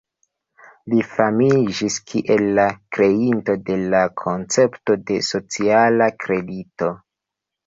Li famiĝis kiel la kreinto de la koncepto de sociala kredito.